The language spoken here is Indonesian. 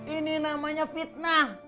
ini namanya fitnah